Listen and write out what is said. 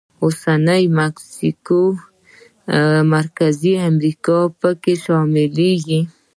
اوسنۍ مکسیکو او مرکزي امریکا پکې شاملېږي.